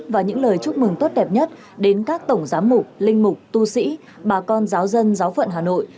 và những lời chúc mừng tốt đẹp nhất đến các tổng giám mục linh mục tu sĩ bà con giáo dân giáo phận hà nội